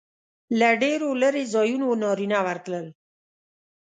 له ډېرو لرې ځایونو نارینه ورتلل.